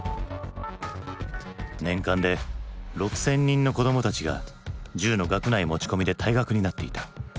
年間で６，０００人の子どもたちが銃の学内持ち込みで退学になっていた。